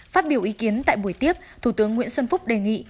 phát biểu ý kiến tại buổi tiếp thủ tướng nguyễn xuân phúc đề nghị